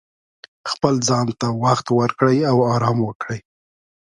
خپل ځان ته وخت ورکړئ او ارام وکړئ.